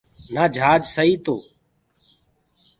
نآ جھاج سئٚ تو